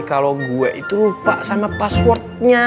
kalau gue itu lupa sama passwordnya